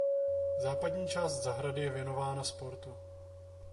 Západní část zahrady je věnovaná sportu.